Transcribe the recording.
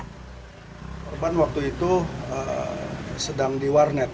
korban waktu itu sedang di warnet